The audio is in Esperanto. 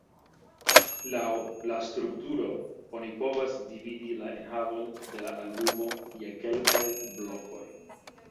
Laŭ la strukturo oni povas dividi la enhavon de la albumo je kelkaj blokoj.